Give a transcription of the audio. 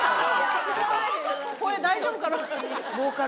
声大丈夫かな？